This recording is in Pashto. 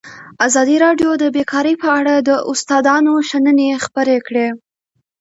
ازادي راډیو د بیکاري په اړه د استادانو شننې خپرې کړي.